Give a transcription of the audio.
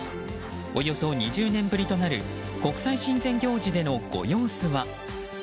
およそ２０年ぶりとなる国際親善行事でのご様子は。